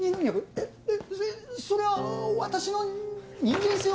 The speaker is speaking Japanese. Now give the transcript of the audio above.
えっそれは私の人間性を。